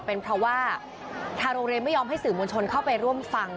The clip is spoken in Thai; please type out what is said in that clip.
เป็นเพราะว่าทางโรงเรียนไม่ยอมให้สื่อมวลชนเข้าไปร่วมฟัง